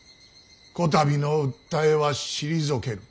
こたびの訴えは退ける。